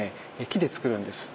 木でつくるんです。